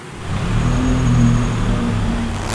El hombre permanece en estado de coma.